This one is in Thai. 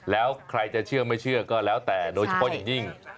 แล้วใครจะเชื่อไม่เชื่อก็แล้วแต่โดยเฉพาะอย่างยิ่ง